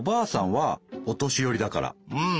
うん。